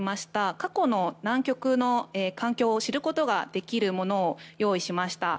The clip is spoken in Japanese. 過去の南極の環境を知ることができるものを用意しました。